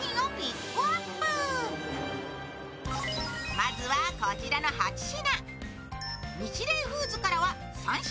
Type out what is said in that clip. まずはこちらの８品。